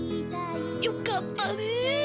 よかったねえ。